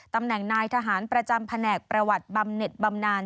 ตำแหน่งนายทหารประจำแผนกประวัติบำเน็ตบำนาน